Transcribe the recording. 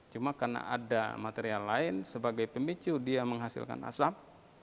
cuma karena ada material lain sebagai pemicu dia menghasilkan asap